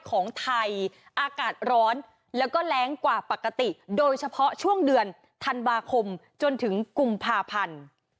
โปรดติดตามตอนต่อไป